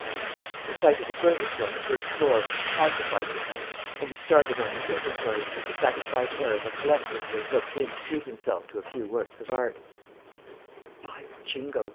The sight of the furniture on the first floor pacified Lupin and he started on his inventory with the satisfied air of a collector who has looked in to treat himself to a few works of art: "By Jingo!